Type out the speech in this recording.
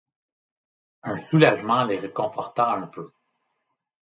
Un soulagement les réconforta un peu.